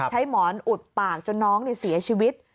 หมอนอุดปากจนน้องเสียชีวิต